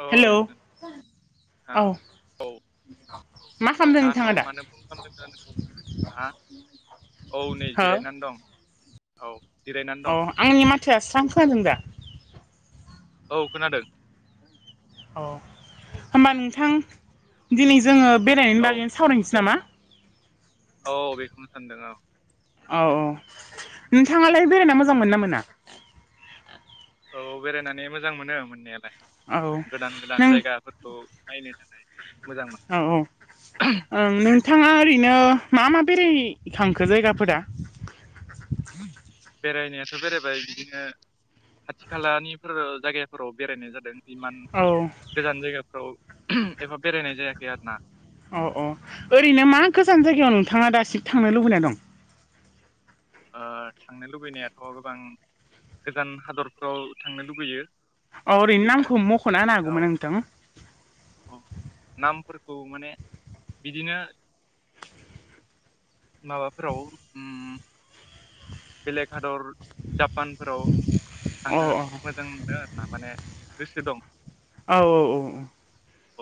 औ हेल' नोंथां औ औ औ मा नों खालामदों दाथ' नोंथाङा दा मानो फन खालामदों नोंौ हा औ नै जिरायनानै दं औ जिरायनानै दं अ आंनि माथोया स्रां खोनादों दा औ खोनादों औ होमबा नोंथां दिनै जोङो बेरायनायनि औ बागैनो सावरायनोसै नामा औ बेखौनो सानदों औ औ औ नोंथाङालाय बेरायना मोजां मोनो ना मोना औ बेरायनानै मोजां मोनो मोननायालाय औ गोदान गोदान नों जायगाफोरखौ नायनो थानाय औ औ ओं नोंथाङा ओरैनो मा मा बेरायखांखो जायगाफोरा बेरायनायाथ' बेरायबाय बिदिनो खाथि-खालानिफोराव जायगाफोराव बेरायनाय जादों इमान औ गोजान जायगाफ्राव एफा बेरायनाय जायाखै आरो ना अ अ ओरैनो मा गोजान जायगायाव नोंथाङा दासिम थांनो लुबैनानै दं थांनो लुबैनायाथ' गोबां गोजान हादरफ्राव थांनो लुुबैयो अ ओरैनो नामखौ मख'ना होनो हागौमोन नोंथां नामफोरखौ माने बिदिनो माबाफोराव बेलेग हादर जापानफोराव अ थांनो अ मोजां मोनो आरो माने गोसो दं औ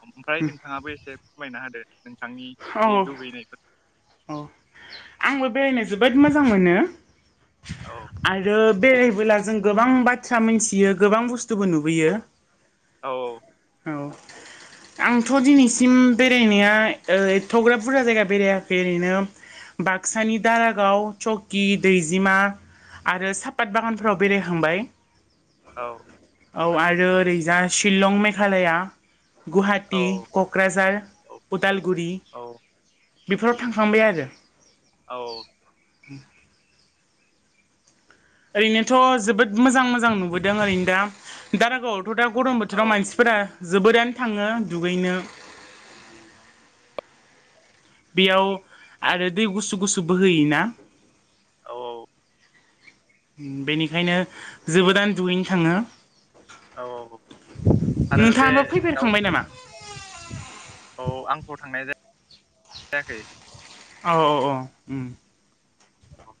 ओमफ्राय नोंथाङाबो एसे मायना होदो नोंथांनि जि औ लुबैनायफोर औ आंबो बेरायनो जोबोद मोजां मोनो औ आरो बेरायबोला जों गोबां बाथ्रा मिथियो गोबां बुस्थुबो नुबोयो औ औ आंथ' दिनैसिम बेरायनाया ओ एथग्राफ बुरजा जायगा बेरायाखै ओरैनो बाक्सानि दारागाव, चौकि, दैजिमा आरो सापात बागानफोराव बेरायखांबाय औ औ आरो ओरैजा शिलं मेघालया गुवाहाटि, औ क'क्राझार, औ उदालगुरि औ बेफोराव थांखांबाय आरो औ [inaudible] ओरैनोथ' जोबोद मोजां-मोजां नुबोदों ओरैनो दा- दारागावआव दा गरम बोथोराव औ मानसिफोरा जोबोरैनो थाङो दुगैनो बेयाव आरो दै गुसु-गुसु बोहैयोना औ औ बेनिखायनो जोबोदानो दुगैनो थाङो औ आरो बे नोंथाङाबो दाउ फैफेरखांबाय नामा? औ आंथ' थांनाय जाया -जायाखै अह औ ओम औ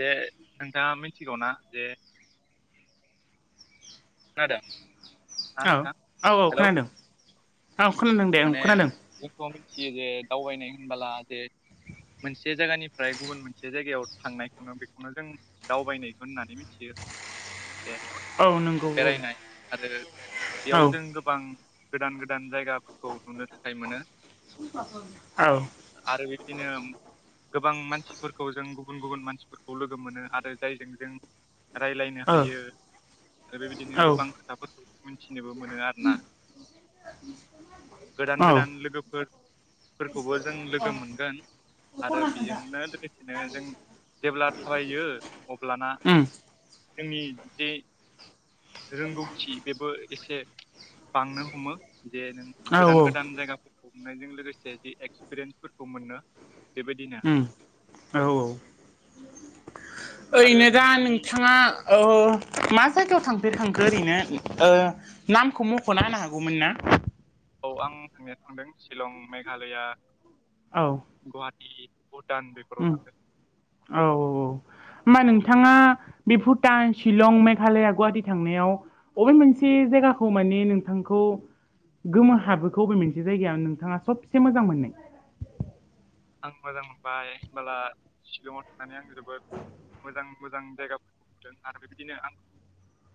जे नोंथाङा मिथिगौना जे खोनादों ना नोंथां औ-औ-औ हेलौ खोनादों औ खोनादों दे आं खोनादों जे- जे दावबायनाय होनबोला जे मोनसे जायगानिफ्राय गुबुन मोनसे जायगायाव थांनायखौनो बेखौनो जों दावबायनायखौ होननानै मिथियो दे औ नंगौ औ बेरायनाय आरो औ बेयाव जों गोबां गोदान-गोदान जायगाफोरखौ नुनो थाखाय मोनो आरो बेदिनो गोबां मानसिफोरखौ जों गुबुन-गुबुन मानसिफोरखौ लोगो मोनो आरो जायजों जों रायज्लायनो औ हायो आरो बेबायदिनो औ उम गोबां खोथाफोरखौ जों मिथियो मिथिनोबो मोनो आरोना गोदान-गोदान लोगोफोर-फोरखौबो जों लोगो मोनगोन आरो बेजोंनो लोगोसेनो जों जेब्ला थाबायो अब्लाना जोंनि जे रोंगौथि बेबो एसे बांनो हमो जे नों औ गोदान-गोदान जायगा हमनायजों लोगोसे जि एक्सपिरियेन्सफोरखौ मोनो बेबायदिनो ओम औ-औ आरो ओरैनो दा नोंथांनि नोंथाङा ओ मा जायगायाव थांफेरखांखो ओरैनो ओ नामखौ मख'ना होनो हागौमोन ना? औ आं थांनाया थांदों शिलं मेघालया औ [inaudible] बेफोराव ओम थांदों औ-औ होनबा औ नोंथाङा बे भुटान शिलं मेघालया गुवाहाटि थांनायाव बबे मोनसे जायगाखौ माने नोंथांखौ गोमो हाबहोखो अबे मोनसे जायगाया नोंथाङा सबसे मोजां मोननाय [inaudible] आं मोजां मोनबाय होनबोला शिलंआव थांनानै आं जोबोद मोजां-मोजां जायगाफोरखौ नुदों आरो बेबायदिनो आंखौ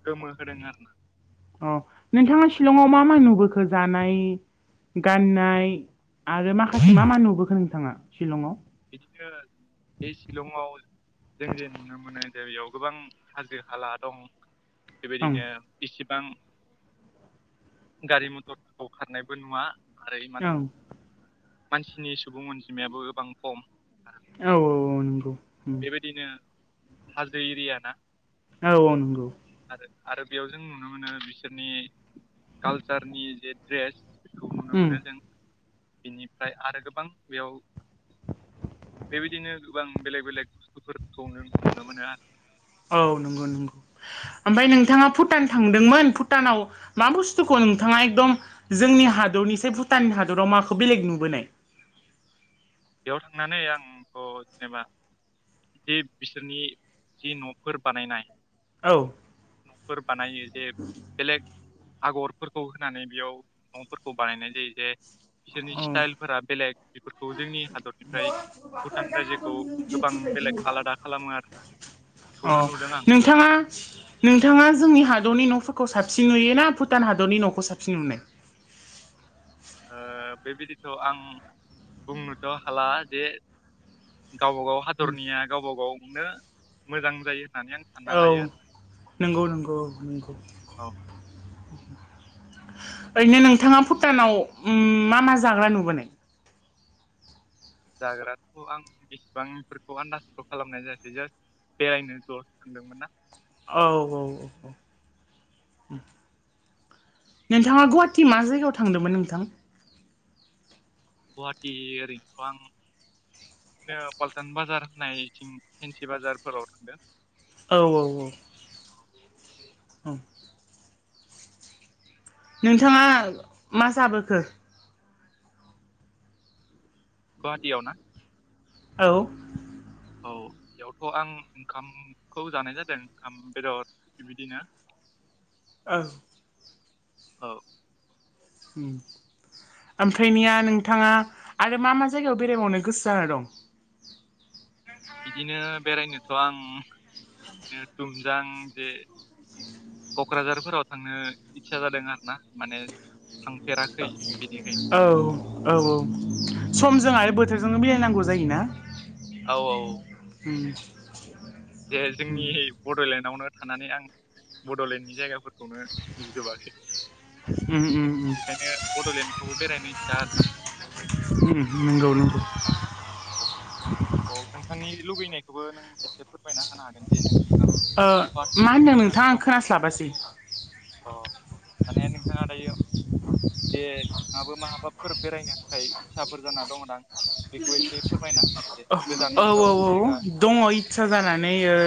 गोमो होदों आरोना अह नोंथाङा शिलंआव मा मा नुबोखो जानाय गाननाय आरो माखासे औ मा मा नुबोखो नोंथाङा शिलंआव बिदिनो बे शिलंआव जों जे नुनो मोनो जे बेयाव गोबां हाजो हाला दं ओं बेबायदिनो बिसि एसेबां गारि मथरफोरखौ खारनायबो नुवा आरो इमान ओं मानसिनि सुबुं अनजिमायाबो गोबां खम आरो औ-औ नंगौ उम बेबायदिनो हाजो एरियाना औ-औ नंगौ आरो बेयाव जों नुनो मोनो बिसोरनि कालसारनि जे ड्रेस बेखौ नुनो मोनो उम जों बिनिफ्राय आरो गोबां बेयाव बेबायदिनो गोबां बेलेग बेलेग फोर औ नंगौ नंगौ आरो ओमफाय नोंथाङा भु टान थांदोंमोन भुटानाव मा बुस्थुखौ नोंथाङा एकदम जोंनि हादरनिसै भुटान हादर राव माखौ बेलेग नुबोनाय [unintelligible] थांनानै आंथ' जेनेबा जे बिसोरनि जि न'फोर बानायनाय औ। न'फोर बानायो जे बेलेग आगरफोरखौ होनानै बेयाव न'फोरखौ बानायनाय जायो जे बिसोरनि औ स्टाइलफोरा बेलेग बेफोरखौ जोंनि हादरनिफ्राय भुटान रायजोखौ गोबां बेलेग आलादा खालामो आरोना। अ बेखौनो नुदों आं नोंथाङा, नोंथाङा जोंनि हादरनि न' [unintelligible] [unintelligible] साबसिन नुयो ना भुटान हादरनि न'खौ साबसिन नुनाय? ओ बेबायदिथ' आं बुंनोथ' हाला जे गावबा -गाव हादरनिया गावबा- गावनो मोजां जायो। होननानै आं सानना औ लायो आरो नंगौ, नंगौ, औ नंगौ। औ ओरैनो नोंथाङा भुटानाव मा -मा जाग्रा नुबोनाय? जाग्रााथ' आं बेसिबांफोरखौ आन्दाजखौ खालामनाय जायासै जास्ट बेरायनो ल'सो थांदोंमोन ना? औ, औ, औ। नोंथाङा गुवाहाटि मा जायगायाव थांदोंमोन नोंथां? गुवाहाटि ओरैनोथ' आं बि पाल्टान बाजार होननायथिं फेन्सि बाजारफोराव थांदों। औ औ औ। औ। नोंथाङा मा जाबोखो? गुवाहाटियाव ना? औ। औ बेयावथ' आं ओंखामखौ जानाय जादों। ओंखाम बेदर बिदिनो। [unintelligible] औ। औ। उम। ओमफ्रायनिया नोंथाङा आरो मा- मा जायगायाव बेरायबावनो गोसो जाना दं? बिदिनो बेरायनोथ' आं बि दुमजां जे क'क्राझारफोराव थांनो इतसा जादों आरो ना। माने थांफेराखै बेनिखायनो औ औ औ सम जोंहा आरो बोथोरजोंनो मिलायनांगौ जायोना। औ औ। उम बे जोंनि बड'लेण्डआवनो थानानै, आं बड'लेण्डनि जायगाफोरखौ [unintelligible] नुजोबाखै। उम उम बेखायनो बड'लेण्डखौ बेरायनो इतसा आरो ना। नंगौ नंगौ। औ औ, नोंथांनि लुुबैनायखौबो नों एसे फोरमायना होनो हागोन दे [unintelligible] अ मा होनदों नोंथाङा आं होननानै खोनास्लाबासै? आरो अ माने नोंथाङा दायो दे नोंहाबो माबाफोर बेरायनो थाखाय इस्साफोर जाना दंदां बे [unintelligible] एसे फोरमायना होगोन दे औ औ गोजानफोराव औ जायगा दङ इस्सा जानानै ओ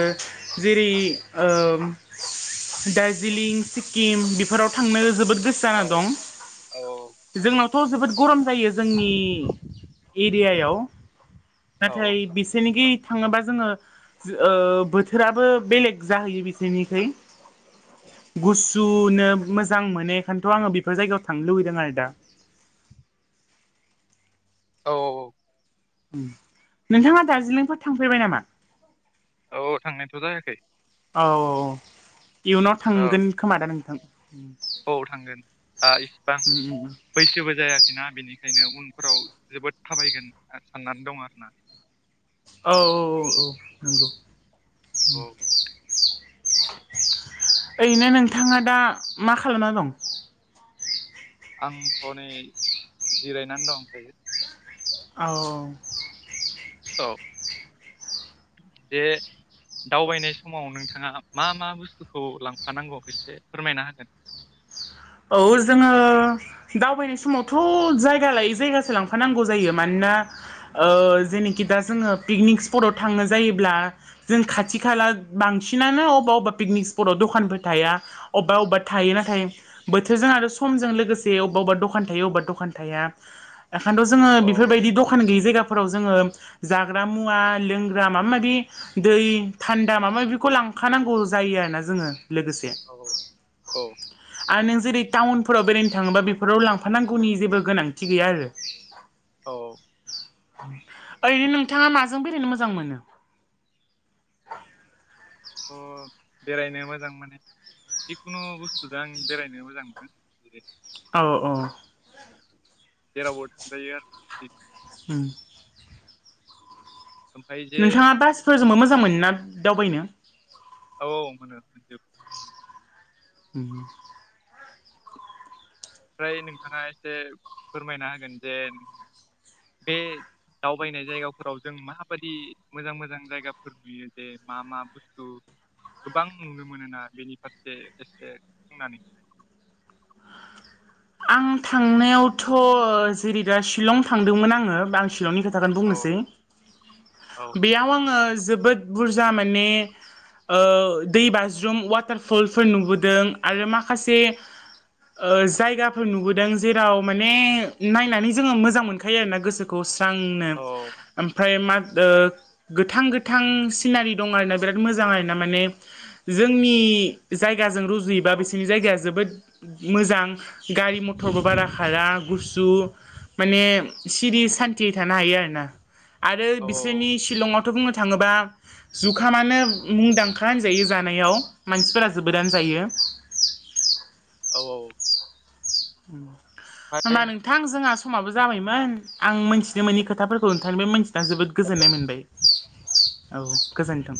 जेरै ओ दार्जिलिं, सिक्किम बेफोराव थांनो जोबोद गोसो औ जाना दं। औ जोंनाव थ' जोबोद गरम जायो जोंनि एरियायाव औ नाथाय बिसोरनिखि थाङनोबा जोङो बोथोराबो बेलेग जाहैयो बिसोरनिखोय गुसुनो मोजां मोनो बेखायनोथ' आङो बेफोर जायगायाव थांनो लुुबैदों आरो दा औ नोंथाङा दार्जिलिंफोर थांफेरबाय नामा औ थांनायथ' जायाखै औ औ इयुनाव औ थांगोन खोमा दा नोंथां औ थांगोन दा इसिबां उम उम बैसोबो जायाखैना बेनिखायनो उनफ्राव जोबोद थाबायगोन साननानै दं आरोना औ औ औ औ नंगौ औ ओरैनो नोंथाङा दा मा खालामना दं आंथ'नै जिरायनानै दंओंखायो औ औ जे दावबायनाय समाव नोंथाङा मा मा बुस्थुखौ लांफानांगौ एसे फोरमायना हागोन [unintelligible] औ जोङो दावबायनाय समावथ' जायगा लायै जायगासो लांफानांगौ जायो मान ओ जोंनिथिं दा जों पिकनिक ष्पतावथांनो जायोब्ला जों खाथि खा बांसिनानो अबा अबा पिकनिक स्पटआव दखानफोर थाया अबेबा अबेबा थायो नाथाय बोथोरजों आरो समजों लोगोसे अबेबा अबेबा दखान थायो अबेबा दखान थाया एखायथ औ जोङोफोरबायदि दखान गैय बेफोरबायदि जायगाफोराव जों जाग्रा मुवा लोंग्रा माबा मासि दै थान्दा माबा माबि खौ लांखानांगौ जायो आरोना जोङो लोगोसे औ औ आरो नों जेरै टाउनफोराव बेरायनो थाङोबा बेफोराव लांफानांगौनि जेबो गोनांथि गैया आरो औ ओरैनो नोंथाङा माजों बेरायनो मोजां मोनो अ बेरायनो मोजां माने जिखुनु बुस्थुजों आं बेरायनो मोजां मोनो औ औ जेरावबो थांजायो आरो [unintelligible] ओमफ्राय जे नोंथाङा बासफोरजोंबो मोजां मोनो ना दावबायनो औ औ मोनो उम ओमफ्राय नोंथाङा एसे फोरमायना होगोन जे बे दावबायनाय जायगाफोराव जों माबादि मोजां मोजां जायगाफोर नुयो जे मा मा बुस्थु गोबां नुनो मोनोना बेनि फारसे एसे बुंनानै होनोलाय आं थांनायावथ' जेरै दा शिलं थांदोंमोन आङो आं शिलंनि खोथा खोनो होलाय बुंनोसै औ औ बेयाव आङो जोबोद बुरजा माने दै बाज्रुम वाटारफलफोर नुबोदों आरो माखासे जायगा फोर नुबोदों जेराव माने नायनानै जोङो मोजां मोनखायो आर ना गोसोखौ मोजांनो ओमफ्राय मा गोथां गोथां सिनारि दं आरोना बिराद मोजां आरोना माने जोंनि जोंनि जायगा जों रुजुयोबा औ बिसोरनि जायगाया जोबोद मोजां। गारि मथरबो बारा खारा गुसु माने सिरि सान्थियै थानो हायो आरो ना। आरो औ बिसोरनि शिलंआव। थ' बुंनो थाङोबा जुखामानो मुंदांखा होनजायो जानायाव मानसिफोरा जोबोदानो जायो। जायो। औ औ। होमबा ओमफ्राय नोंथां जोंहा समाबो जाबायमोन आं मोनथि मोनि खोथाफोरखौ नोंथांनि बे मोनथिना जोबोद गोजोननाय मोनबाय। औ गोजोन्थों।